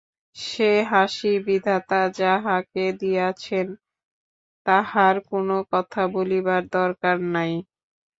সে হাসি বিধাতা যাহাকে দিয়াছেন তাহার কোনো কথা বলিবার দরকার নাই।